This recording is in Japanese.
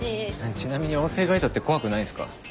ちなみに音声ガイドって怖くないんすか？